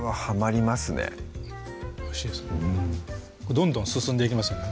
どんどん進んでいきますよね